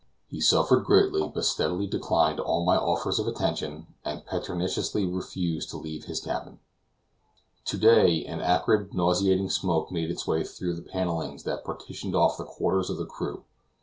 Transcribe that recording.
He suffered greatly, but steadily declined all my offers of attention, and pertinaciously refused to leave his cabin. To day, an acrid, nauseating smoke made its way through the panelings that partition off the quarters of the crew.